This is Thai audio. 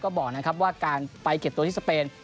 ก็บอกนะครับว่าการไปเก็บตัวที่สเปน